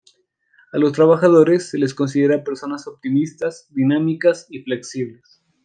A los trabajadores se les considera personas optimistas, dinámicas y flexibles.